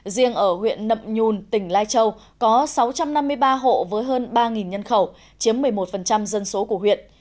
riêng ở huyện nậm nhùn tỉnh lai châu có sáu trăm năm mươi ba hộ với hơn ba nhân khẩu chiếm một mươi một dân số của huyện